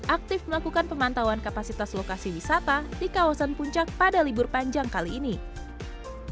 aktif melakukan pemantauan kapasitas lokasi wisata di kawasan puncak pada libur panjang kali ini